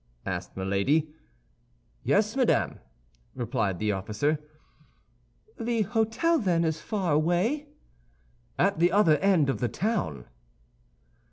asked Milady. "Yes, madame," replied the officer. "The hôtel, then, is far away?" "At the other end of the town."